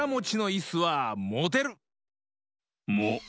モ？